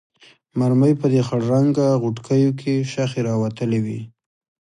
مرمۍ په دې خړ رنګه غوټکیو کې شخې راوتلې وې.